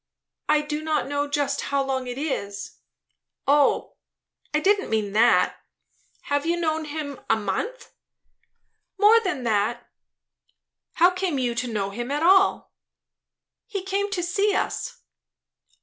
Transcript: "I do not know just how long it is." "O I didn't mean that. Have you known him a month?" "More than that." "How came you to know him at all?" "He came to see us?"